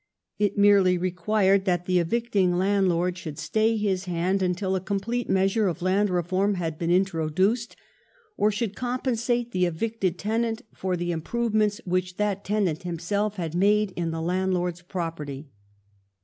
It merely required that the evicting landlord should stay his hand THE TWO SPHINXES, IRELAND AND EGYPT 339 until a complete measure of land reform had been introduced, or should compensate the evicted tenant for the improvements which that tenant himself had made in the landlord's property.